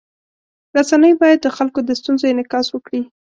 رسنۍ باید د خلکو د ستونزو انعکاس وکړي.